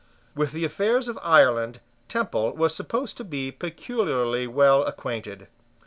With the affairs of Ireland Temple was supposed to be peculiarly well acquainted.